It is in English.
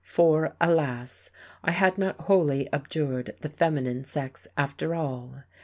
For alas, I had not wholly abjured the feminine sex after all!